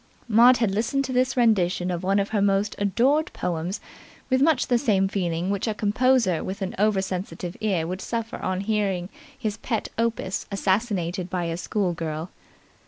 Maud had listened to this rendition of one of her most adored poems with much the same feeling which a composer with an over sensitive ear would suffer on hearing his pet opus assassinated by a schoolgirl.